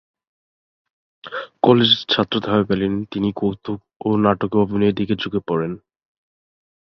কলেজে ছাত্র থাকাকালীন তিনি কৌতুক ও নাটকে অভিনয়ের দিকে ঝুঁকে পরেন।